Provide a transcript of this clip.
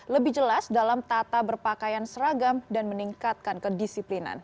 lebih jelas dalam tata berpakaian seragam dan meningkatkan kedisiplinan